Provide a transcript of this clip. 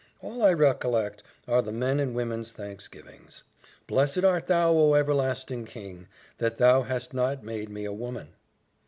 All I recollect are the men and women's thanksgivings. "Blessed art thou, O Everlasting King! that thou hast not made me a woman."